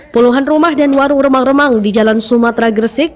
puluhan rumah dan warung remang remang di jalan sumatera gresik